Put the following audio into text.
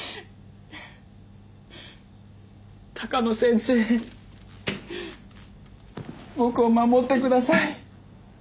鷹野先生僕を守ってください。